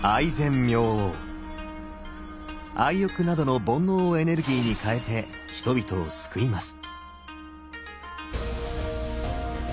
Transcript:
愛欲などの煩悩をエネルギーに変えて人々を救います。